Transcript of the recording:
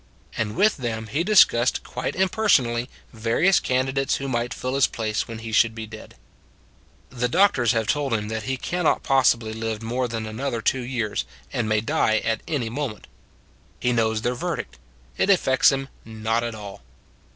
And with them he discussed quite impersonally various candidates who might fill his place when he should be dead. The doctors have told him that he can not possibly live more than another two years, and may die at any moment. He knows their verdict: it affects him not at all.